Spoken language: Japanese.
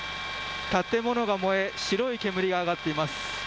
建物が燃え白い煙が上がっています。